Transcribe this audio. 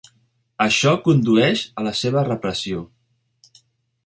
Això condueix a la seva repressió.